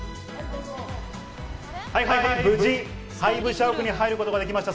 無事、ハイブ社屋に入ることができました。